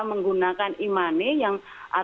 menggunakan e money yang